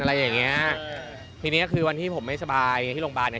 ทีนี้วันที่ผมไม่สบายที่โรงพยาบาล